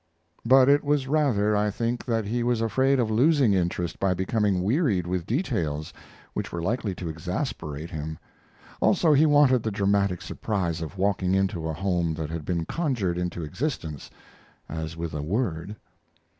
But it was rather, I think, that he was afraid of losing interest by becoming wearied with details which were likely to exasperate him; also, he wanted the dramatic surprise of walking into a home that had been conjured into existence as with a word.